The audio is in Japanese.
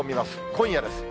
今夜です。